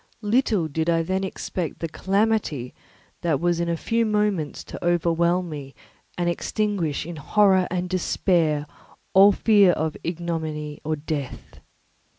Little did I then expect the calamity that was in a few moments to overwhelm me and extinguish in horror and despair all fear of ignominy or death.